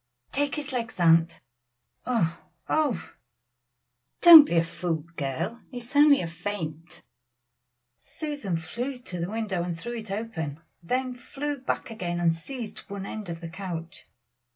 "Take his legs, aunt; oh! oh! oh!" "Don't be a fool, girl, it is only a faint." Susan flew to the window and threw it open, then flew back and seized one end of the couch.